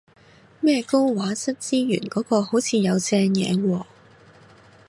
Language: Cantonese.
咩高畫質資源嗰個好似有正嘢喎